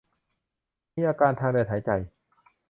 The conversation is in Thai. มีอาการทางเดินหายใจ